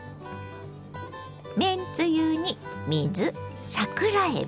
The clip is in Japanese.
めんつゆに水桜えび